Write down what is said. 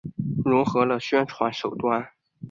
融合了宣传手段。